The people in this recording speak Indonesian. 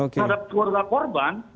terhadap seorang korban